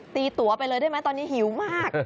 ตีตัวไปเลยได้ไหมตอนนี้หิวมาก